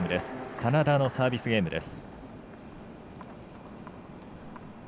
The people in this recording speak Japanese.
眞田のサービスゲームです。